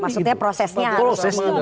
maksudnya prosesnya harus dijalankan